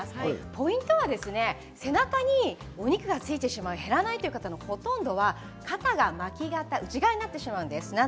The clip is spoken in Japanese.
ポイントは背中にお肉がついてしまう減らないという方のほとんどは肩が巻き肩内側になってしまうんです。